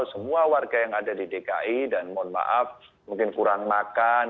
semua warga yang ada di dki dan mohon maaf mungkin kurang makan